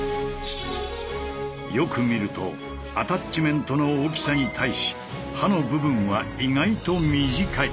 よく見るとアタッチメントの大きさに対し刃の部分は意外と短い。